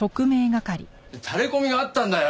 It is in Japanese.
タレコミがあったんだよ。